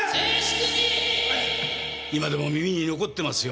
今でも耳に残ってますよ